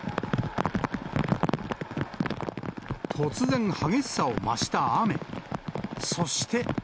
突然激しさを増した雨。